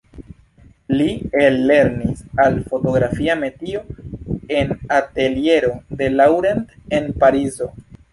Li ellernis al fotografia metio en ateliero de Laurent en Parizo.